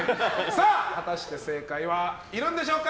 果たして正解はいるんでしょうか。